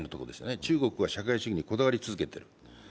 中国は社会主義にこだわり続けている。